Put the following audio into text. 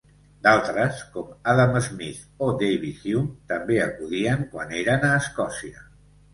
D'altres, com Adam Smith o David Hume, també acudien quan eren a Escòcia.